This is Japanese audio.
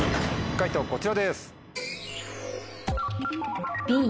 解答こちらです。